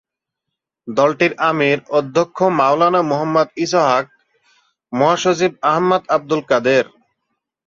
দলটির আমির অধ্যক্ষ মাও মুহাম্মদ ইসহাক, মহাসচিব আহমদ আবদুল কাদের।